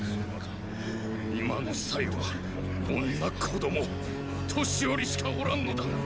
今のは女子供年寄りしかおらんのだ。